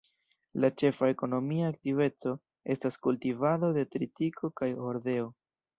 La ĉefa ekonomia aktiveco estas kultivado de tritiko kaj hordeo.